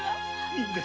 いいんです。